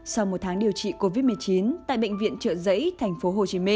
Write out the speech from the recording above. sau một tháng điều trị covid một mươi chín tại bệnh viện trợ giấy tp hcm ca sĩ phi nhung đã qua đời